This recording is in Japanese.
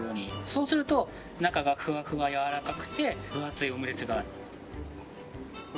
そうすると中がフワフワやわらかくて分厚いオムレツが。